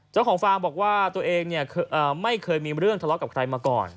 เจ้าของฟาร์มบอกว่าตัวเองไม่เคยมีเรื่องทะเลาะกับใครมาก่อน